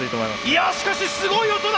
いやしかしすごい音だ！